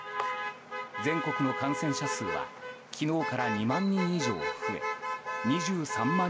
全国の感染者数は昨日から２万人以上増え２３万